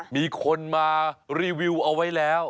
มีคนมารีวิวเอาไว้แล้ว